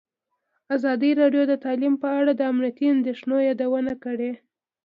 ازادي راډیو د تعلیم په اړه د امنیتي اندېښنو یادونه کړې.